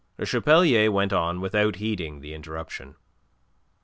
Le Chapelier went on without heeding the interruption.